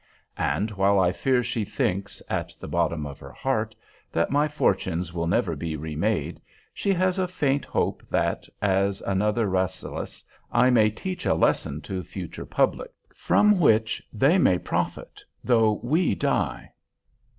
And while I fear she thinks, at the bottom of her heart, that my fortunes will never be re made, she has a faint hope, that, as another Rasselas, I may teach a lesson to future publics, from which they may profit, though we die.